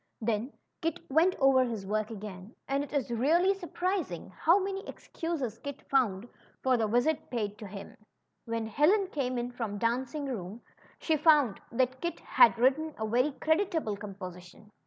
Then Kit went over his work again, and it is really sur prising how many excuses Kit found for the visit paid him. When Helen came in from dancing school, she found that Kit had written a very creditable composition.